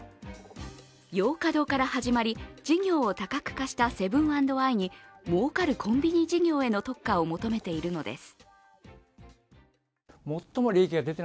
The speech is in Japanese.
ヨーカドーから始まり、事業を多角化したセブン＆アイに儲かるコンビニ事業への特化を求めているのです。